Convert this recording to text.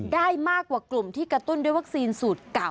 ได้มากกว่ากลุ่มที่กระตุ้นด้วยวัคซีนสูตรเก่า